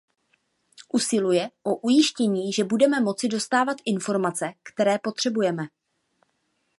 Usilujeme o ujištění, že budeme moci dostávat informace, které potřebujeme.